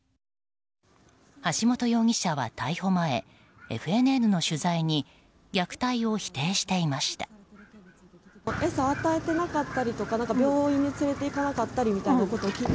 橋本容疑者は逮捕前ＦＮＮの取材に虐待を否定していました。